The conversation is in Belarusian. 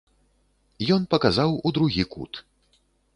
Ён паказаў у другі кут.